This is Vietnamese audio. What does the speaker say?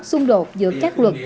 xung đột giữa các luật